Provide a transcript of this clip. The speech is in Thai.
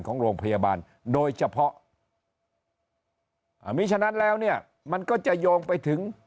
ของโรงพยาบาลโดยเฉพาะอ่ามีฉะนั้นแล้วเนี่ยมันก็จะโยงไปถึง